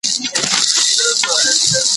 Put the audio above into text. زه دي نه وینم د خپل زړگي پاچا سې